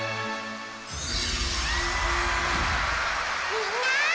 みんな。